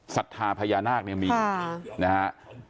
สัทธาพญานาคนี่มีนะคะ